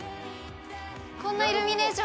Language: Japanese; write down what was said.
こんなイルミネーション